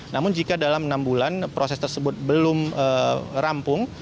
namun jika dalam enam bulan proses tersebut belum rampung